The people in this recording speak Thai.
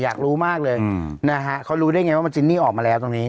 อยากรู้มากเลยนะฮะเขารู้ได้ไงว่ามันจินนี่ออกมาแล้วตรงนี้